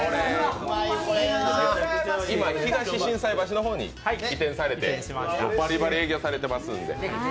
今、東心斎橋の方に移転されて、バリバリ営業されてます。